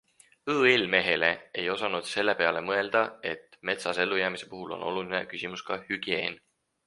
ÕL Mehele ei osanud selle peale mõelda, et metsas ellujäämise puhul on oluline küsimus ka hügieen.